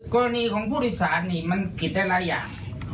กรณีของผู้โดยสารนี่มันผิดได้หลายอย่าง